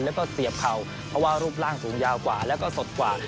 แล้วก็เสียบเข่าเพราะว่ารูปร่างสูงยาวกว่าแล้วก็สดกว่า